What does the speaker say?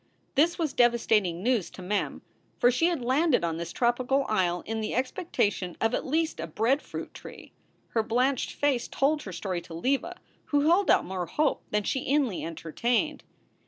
This was devastating news to Mem, for she had landed on this tropical isle in the expectation of at least a breadfruit tree. Her blanched face told her story to Leva, who held out more hope than she inly entertained.